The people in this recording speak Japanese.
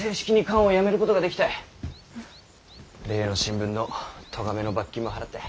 例の新聞の咎めの罰金も払った。